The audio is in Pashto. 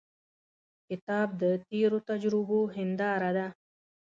کتاب د تیرو تجربو هنداره ده.